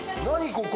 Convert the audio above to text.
ここ。